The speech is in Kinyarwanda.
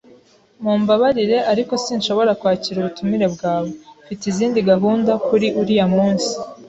Mumbabarire, ariko sinshobora kwakira ubutumire bwawe. Mfite izindi gahunda kuri uriya munsi.